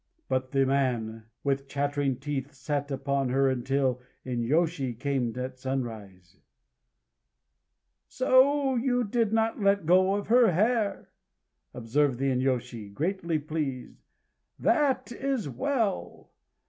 But the man, with chattering teeth, sat upon her until the inyôshi came at sunrise. "So you did not let go of her hair!" observed the inyôshi, greatly pleased. "That is well